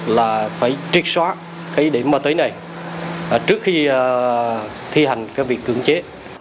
là phải triệt xóa cái điểm ma túy này trước khi thi hành cái việc cưỡng chế